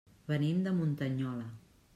Venim de Muntanyola.